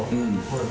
はい。